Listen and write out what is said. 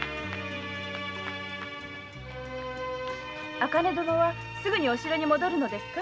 茜殿はすぐにお城に戻るのですか？